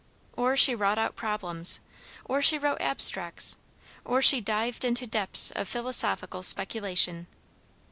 Or she wrought out problems; or she wrote abstracts; or she dived into depths of philosophical speculation.